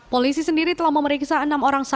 polisi sendiri telah memeriksa enam orang saksi